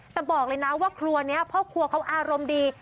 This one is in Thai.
แต่บอกเลยนะว่าครัวนี้พ่อครัวเขาอารมณ์ดี